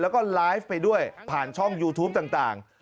แล้วก็ไลฟ์ไปด้วยผ่านช่องยูทูปต่าง